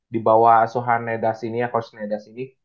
dibawah sohan nedas ini ya coach nedas ini